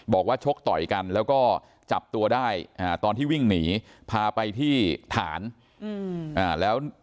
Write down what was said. บอกว่าชกต่อยกันแล้วก็จับตัวได้อ่าตอนที่วิ่งหนีพาไปที่ฐานอืมอ่าแล้ว